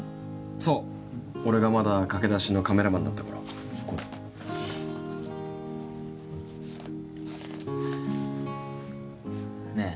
そう俺がまだ駆け出しのカメラマンだった頃ねえ